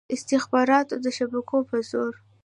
استخباراتو د شبکو په زور.